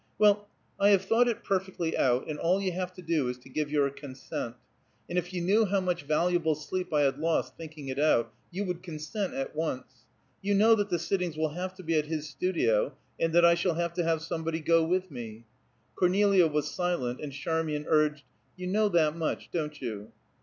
"Well, I have thought it perfectly out, and all you have to do is to give your consent; and if you knew how much valuable sleep I had lost, thinking it out, you would consent at once. You know that the sittings will have to be at his studio, and that I shall have to have somebody go with me." Cornelia was silent, and Charmian urged, "You know that much, don't you?"